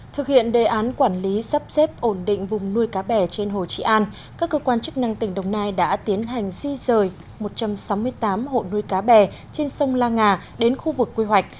thực hiện đề án quản lý sắp xếp ổn định vùng nuôi cá bè trên hồ trị an các cơ quan chức năng tỉnh đồng nai đã tiến hành di rời một trăm sáu mươi tám hộ nuôi cá bè trên sông la ngà đến khu vực quy hoạch